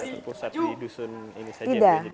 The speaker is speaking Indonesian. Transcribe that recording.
jadi tidak terpusat di dusun ini saja